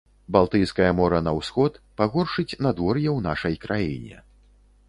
Балтыйскае мора на ўсход, пагоршыць надвор'е ў нашай краіне.